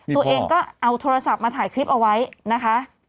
ตัวเองก็เอาโทรศัพท์มาถ่ายคลิปเอาไว้นะคะ